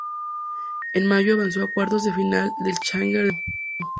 En mayo avanzó a cuartos de final del Challenger de San Remo.